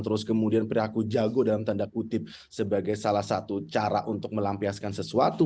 terus kemudian perilaku jago dalam tanda kutip sebagai salah satu cara untuk melampiaskan sesuatu